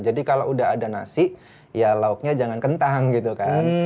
jadi kalau udah ada nasi ya lauknya jangan kentang gitu kan